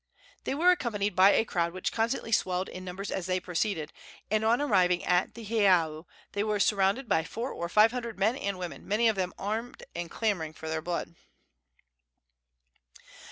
They were accompanied by a crowd which constantly swelled in numbers as they proceeded, and on arriving at the heiau they were surrounded by four or five hundred men and women, many of them armed and clamoring for their blood.